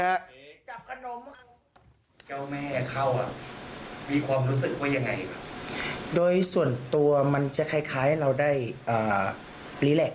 เจ้าแม่เข้าอ่ะมีความรู้สึกว่ายังไงครับโดยส่วนตัวมันจะคล้ายคล้ายเราได้รีแล็ก